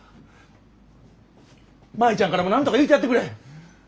舞ちゃんからも何とか言うてやってくれ！